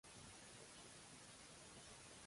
De Déu ve tot el bé.